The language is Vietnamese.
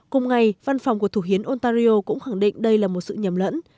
cùng ngày văn phòng của thủ hiến ontario cũng khẳng định đây là một sự nhầm lẫn